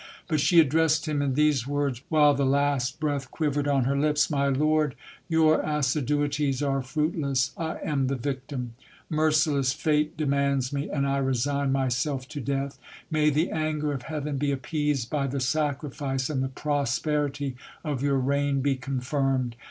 But she addressed him in these words, while the last breath quivered on her lips: My lord, your assiduities are fruitless, I am the victim. Merciless fate demands me, and I resign mysdf to death. May the anger of heaven be appeased by the sacrifice, and the pros perity of your reign be confirmed.